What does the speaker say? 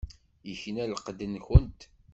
Ikna lqedd-nkent.